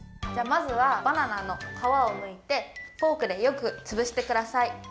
じゃあまずはバナナのかわをむいてフォークでよくつぶしてください。